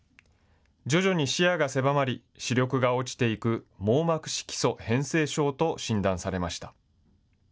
徐々に視野が狭まり、視力が落ちていく、網膜色素変性症と診断されました。